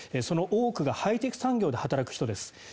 その多くがハイテク産業で働く人です。